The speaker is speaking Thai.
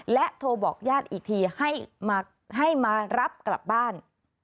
โทรบอกญาติอีกทีให้มารับกลับบ้าน